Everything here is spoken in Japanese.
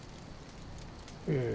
ええ。